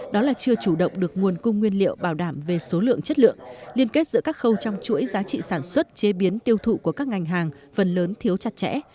đó là chưa chủ động được nguồn cung nguyên liệu bảo đảm về số lượng chất lượng liên kết giữa các khâu trong chuỗi giá trị sản xuất chế biến tiêu thụ của các ngành hàng phần lớn thiếu chặt chẽ